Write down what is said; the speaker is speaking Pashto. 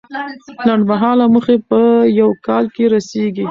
لنډمهاله موخې په یو کال کې رسیږي.